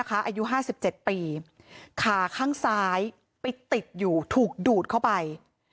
อายุ๕๗ปีขาข้างซ้ายไปติดอยู่ถูกดูดเข้าไป